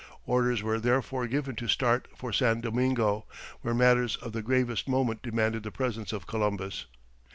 Orders were therefore given to start for San Domingo, where matters of the gravest moment demanded the presence of Columbus.